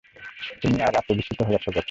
তুমি আজ আত্মবিস্মৃত হইয়াছ বৎস।